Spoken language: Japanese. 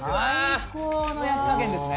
最高の焼き加減ですね